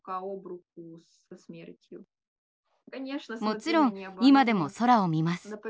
もちろん今でも空を見ます。